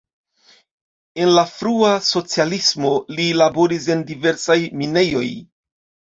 En la frua socialismo li laboris en diversaj minejoj.